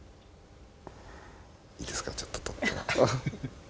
いいですかちょっと撮っても。